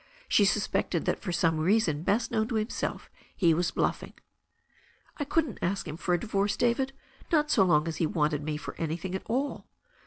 She suspected that for some reason best known to himself he was bluffing. "I couldn't ask him for a divorce, David, not so l9ng as he wanted me for anything at all."